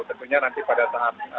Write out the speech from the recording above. tentunya nanti pada saat